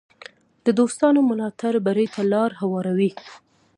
د دوستانو ملاتړ بری ته لار هواروي.